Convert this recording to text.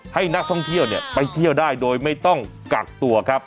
ให้นักท่องเที่ยวไปเที่ยวได้โดยไม่ต้องกักตัวครับ